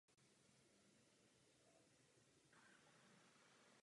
Zde konvertoval ke katolické víře.